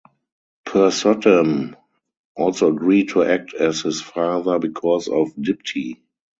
Purshottam also agreed to act as his father because of Dipti.